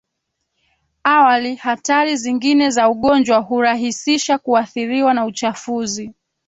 awali hatari zingine za ugonjwa hurahisisha kuathiriwa na uchafuzi